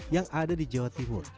yang ada di jawa timur